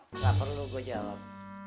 gak perlu gua jawab